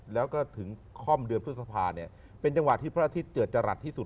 แล้วก็ถึงค่อมเดือนพฤษภาเนี่ยเป็นจังหวะที่พระอาทิตย์เจิดจรัสที่สุด